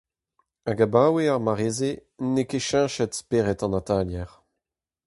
Hag abaoe ar mare-se n'eo ket cheñchet spered an atalier.